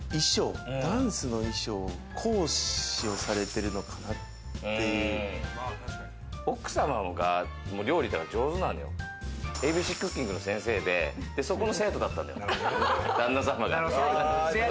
ダンスの衣装、講師をされて奥様が料理とか上手なんで、ＡＢＣクッキングの先生で、そこの生徒だったんだよ、旦那様が。